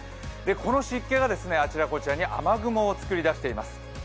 この湿気があちらこちらに雨雲を作り出しています。